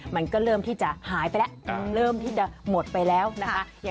มันก็เริ่มที่จะหายไปแล้วเริ่มที่จะหมดไปแล้วนะคะ